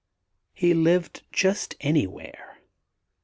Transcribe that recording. He lived just anywhere.